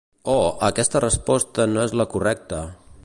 Oh, aquesta resposta no és la correcta.